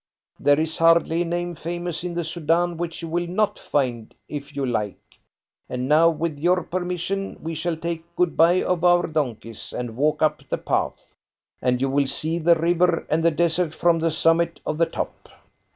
There is hardly a name famous in the Soudan which you will not find, if you like. And now, with your permission, we shall take good bye of our donkeys and walk up the path, and you will see the river and the desert from the summit of the top."